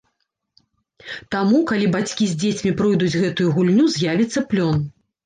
Таму, калі бацькі з дзецьмі пройдуць гэтую гульню, з'явіцца плён.